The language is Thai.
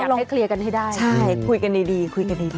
เอาลองเคลียร์กันให้ได้คุยกันดีค่ะ